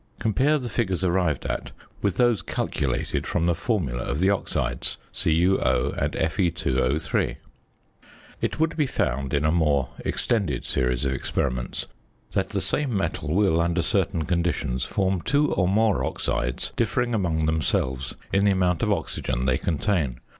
Compare the figures arrived at with those calculated from the formula of the oxides, CuO and Fe_O_. It would be found in a more extended series of experiments that the same metal will, under certain conditions, form two or more oxides differing among themselves in the amount of oxygen they contain.